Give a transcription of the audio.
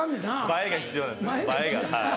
映えが必要なんです映えが。